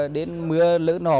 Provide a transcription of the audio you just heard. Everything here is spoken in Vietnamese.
đến mưa lỡ nổ